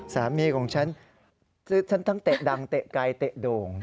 สามีของฉันฉันทั้งเตะดังเตะไกลเตะโด่ง